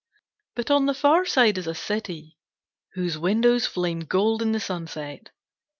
But on the far side is a city whose windows flame gold in the sunset.